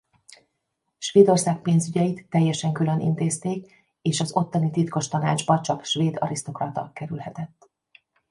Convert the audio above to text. Svédország pénzügyeit teljesen külön intézték és az ottani Titkos Tanácsba csak svéd arisztokrata kerülhetett.